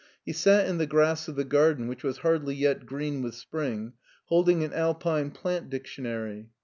He sat in the grass of the garden, which was hardl3r yet green with springy holding an Alpine plant dictionary.